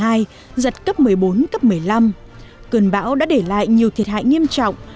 với sức gió cấp một mươi một cấp một mươi hai giật cấp một mươi bốn cấp một mươi năm cơn bão đã để lại nhiều thiệt hại nghiêm trọng